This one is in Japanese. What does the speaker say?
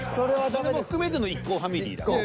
それも含めてのＩＫＫＯファミリーだから。